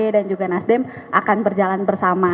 dan juga nasdem akan berjalan bersama